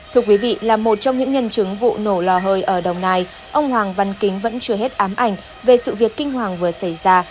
thưa quý vị là một trong những nhân chứng vụ nổ lò hơi ở đồng nai ông hoàng văn kính vẫn chưa hết ám ảnh về sự việc kinh hoàng vừa xảy ra